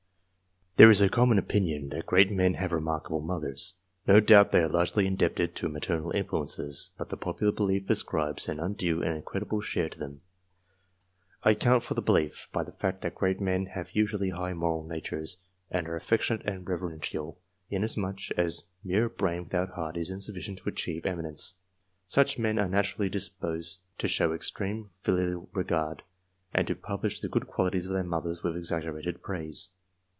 There is a common opinion that great men have re markable mothers. No doubt they are largely indebted to maternal influences, but the popular belief ascribes an undue and incredible share to them. I account for the belief, by the fact that great men have usually high moral natures, and are affectionate and reverential, inasmuch as mere brain without heart is insufficient to achieve emi y nence. Such men are naturally disposed to show extreme filial: Tegard, and to publish the good qualities of their mothers, with exaggerated praise.